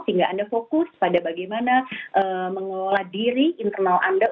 sehingga anda fokus pada bagaimana mengelola diri internal anda